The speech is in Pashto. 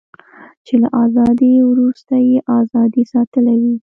چې له ازادۍ وروسته یې ازادي ساتلې وي.